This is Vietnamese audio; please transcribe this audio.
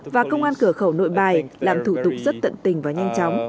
và công an cửa khẩu nội bài làm thủ tục rất tận tình và nhanh chóng